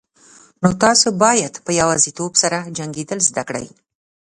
نو تاسو باید په یوازیتوب سره جنگیدل زده کړئ.